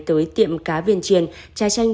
tới tiệm cá viên chiên trai tranh